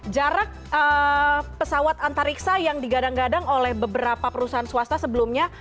jarak pesawat antariksa yang digadang gadang oleh beberapa perusahaan swasta sebelumnya